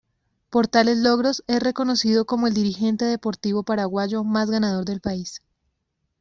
Por tales logros es reconocido como el dirigente deportivo paraguayo más ganador del país.